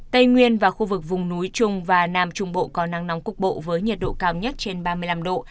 tây nguyên và khu vực vùng núi trung và nam trung bộ có nắng nóng cục bộ với nhiệt độ cao nhất trên ba mươi năm độ